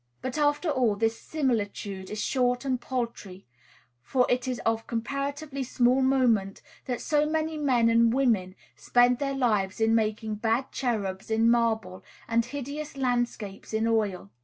But, after all, this similitude is short and paltry, for it is of comparatively small moment that so many men and women spend their lives in making bad cherubs in marble, and hideous landscapes in oil.